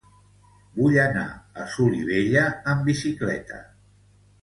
Vull anar a Solivella amb bicicleta.